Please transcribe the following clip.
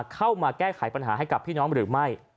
เข้ามาแก้ไขปัญหาให้กับพี่น้องหรือไม่